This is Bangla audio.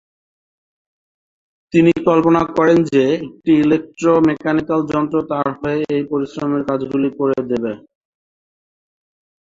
তিনি কল্পনা করেন যে একটি ইলেকট্রো-মেকানিকাল যন্ত্র তার হয়ে এই পরিশ্রমের কাজগুলি করে দেবে।